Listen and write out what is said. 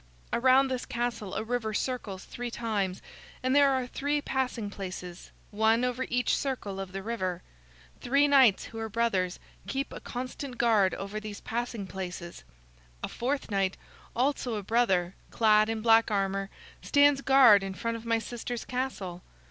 Around this castle a river circles three times, and there are three passing places, one over each circle of the river. Three knights, who are brothers, keep a constant guard over these passing places. A fourth knight, also a brother, clad in black armor, stands guard in front of my sister's castle.